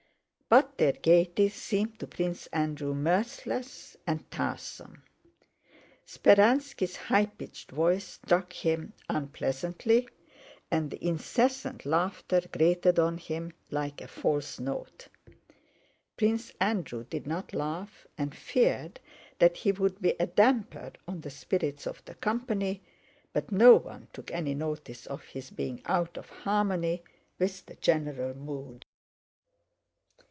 But their gaiety seemed to Prince Andrew mirthless and tiresome. Speránski's high pitched voice struck him unpleasantly, and the incessant laughter grated on him like a false note. Prince Andrew did not laugh and feared that he would be a damper on the spirits of the company, but no one took any notice of his being out of harmony with the general mood.